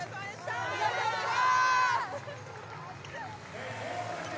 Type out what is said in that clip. ありがとうございます。